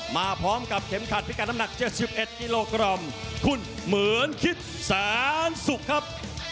มาพร้อมกับเข็มขัดพิกัดน้ำหนัก๗๑กิโลกรัมคุณเหมือนคิดแสนสุขครับ